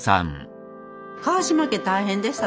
川島家大変でした